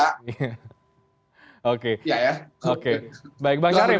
keit sesi ini aku tanya tentang merah awal menurutmu